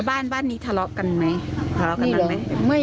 บ้านนี้ทะเลาะกันไหมทะเลาะกันมั้ย